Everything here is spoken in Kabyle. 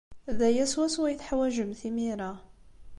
D aya swaswa ay teḥwajemt imir-a.